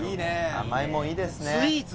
甘いものいいですね。